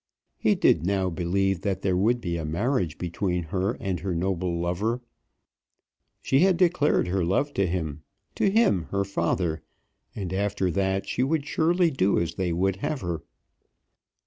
He did now believe that there would be a marriage between her and her noble lover. She had declared her love to him, to him, her father, and after that she would surely do as they would have her.